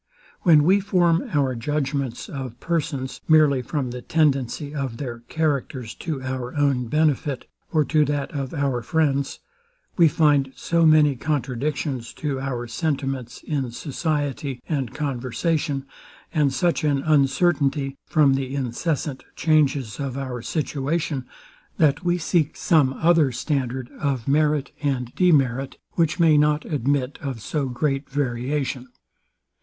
When we form our judgments of persons, merely from the tendency of their characters to our own benefit, or to that of our friends, we find so many contradictions to our sentiments in society and conversation, and such an uncertainty from the incessant changes of our situation, that we seek some other standard of merit and demerit, which may not admit of so great variation.